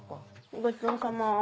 ごちそうさま。